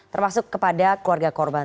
termasuk kepada keluarga korban